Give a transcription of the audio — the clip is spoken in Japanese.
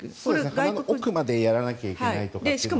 鼻の奥までやらなきゃいけないとか。